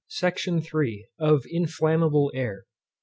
SECTION III. _Of INFLAMMABLE AIR.